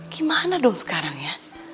gimana dong sekarang ya